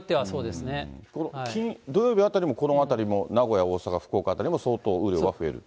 土曜日あたりも、このあたりも名古屋、大阪、福岡辺りも、相当雨量は増える？